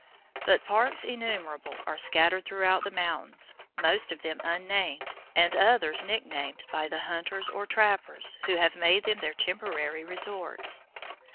But parks innumerable are scattered throughout the mountains, most of them unnamed, and others nicknamed by the hunters or trappers who have made them their temporary resorts.